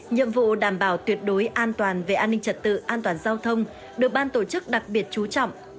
nhiệm vụ đảm bảo tuyệt đối an toàn về an ninh trật tự an toàn giao thông được ban tổ chức đặc biệt chú trọng